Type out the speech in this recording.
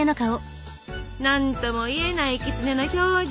何ともいえないきつねの表情。